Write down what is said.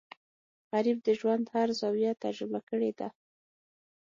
غریب د ژوند هر زاویه تجربه کړې ده